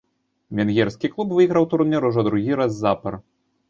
Венгерскі клуб выйграў турнір ужо другі раз запар.